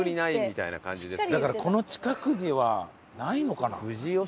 だからこの近くにはないのかな？